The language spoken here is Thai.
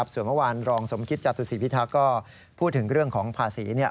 ส่วนเมื่อวานรองสมคิตจตุศีพิทักษ์ก็พูดถึงเรื่องของภาษี